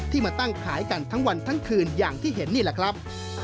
มาตั้งขายกันทั้งวันทั้งคืนอย่างที่เห็นนี่แหละครับ